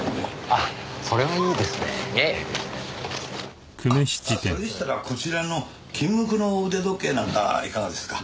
あっそれでしたらこちらの金無垢の腕時計なんかはいかがですか？